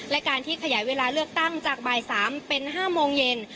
และการที่ขยายเวลาเลือกตั้งจากบ่าย๓เป็น๕โมงเย็น